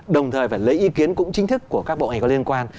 đồng thời phải lấy ý kiến cũng chính thức của các bộ ngành có liên quan